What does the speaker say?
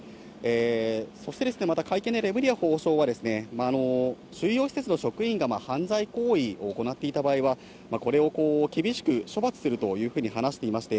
そして、また会見でレムリヤ法相は、収容施設の職員が犯罪行為を行っていた場合は、これを厳しく処罰するというふうに話していまして、